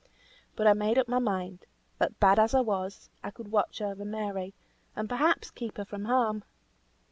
But I made up my mind, that bad as I was, I could watch over Mary and perhaps keep her from harm.